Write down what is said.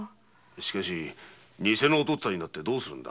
しかし偽の父親になってどうするんだ？